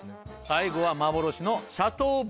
最後は幻の。